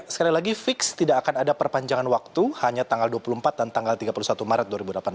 sekali lagi fix tidak akan ada perpanjangan waktu hanya tanggal dua puluh empat dan tanggal tiga puluh satu maret dua ribu delapan belas